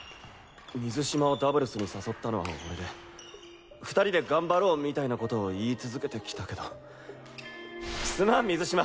水嶋をダブルスに誘ったのは俺で２人で頑張ろうみたいなことを言い続けてきたけどすまん水嶋。